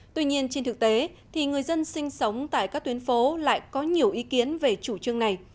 tuy nhiên trên thực tế thì người dân sinh sống tại các tuyến phố lại có nhiều ý kiến về chủ trương này